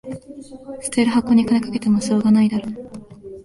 捨てる箱に金かけてもしょうがないだろ